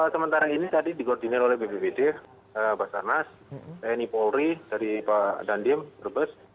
sementara ini tadi dikoordinir oleh bbbd basarnas tni polri dari pak dandim brebes